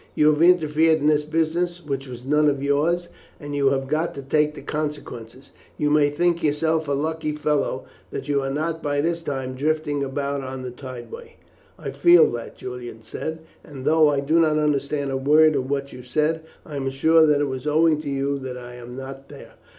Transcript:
"You have interfered in this business, which was none of yours, and you have got to take the consequences; you may think yourself a lucky fellow that you are not by this time drifting about on the tideway." "I feel that," Julian said; "and though I did not understand a word of what you said, I am sure that it was owing to you that I am not there.